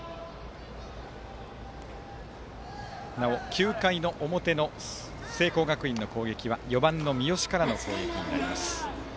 なお９回の表の聖光学院の攻撃は４番の三好からの攻撃になります。